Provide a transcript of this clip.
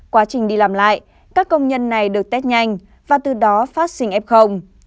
quá trình đi làm lại các công nhân này được test nhanh và từ đó phát sinh f